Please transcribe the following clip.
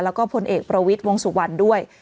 แล้วก็พลเอกประวิทย์วงสุวรรณด้วย